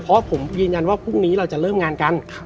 เพราะผมยืนยันว่าพรุ่งนี้เราจะเริ่มงานกัน